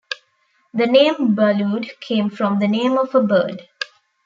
The name Balud came from the name of a bird.